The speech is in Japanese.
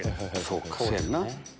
そうやんな。